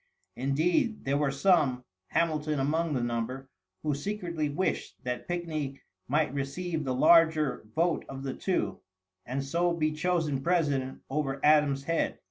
Indeed, there were some, Hamilton among the number, who secretly wished that Pickney might receive the larger vote of the two, and so be chosen president over Adams' head.